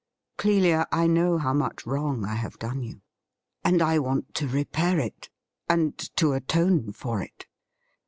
Clelia, I know how much wrong I have done you, and I want to repair it and to atone for it.'